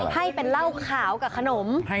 ให้เป็นเหล้าขาวกับขนม